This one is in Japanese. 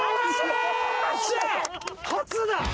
初だ！